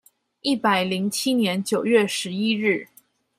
一百零七年九月十一日